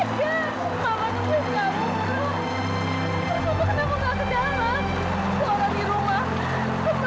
terima kasih banyak